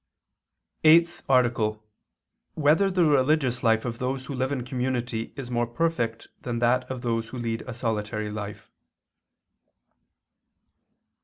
188, Art. 8] Whether the Religious Life of Those Who Live in Community Is More Perfect Than That of Those Who Lead a Solitary Life?